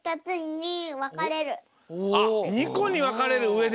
あっ２こにわかれるうえで。